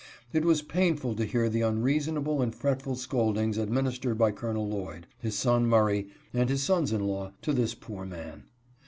It was painful to hear the unreasonable and fretful scoldings administered by Col. Lloyd, his son Murray, and his sons in law, to this poor man.